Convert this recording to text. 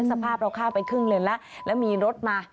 สภาพเราข้ามไปครึ่งเลนแล้วแล้วมีรถมา